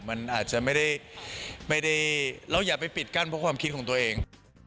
มันอาจจะไม่ได้เราอย่าไปปิดกั้นเพราะความคิดของตัวเอง